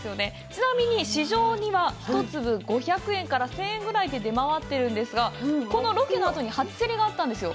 ちなみに、市場には一粒５００円から１０００円ぐらいで出回ってるんですが、このロケのあとに初競りがあったんですよ。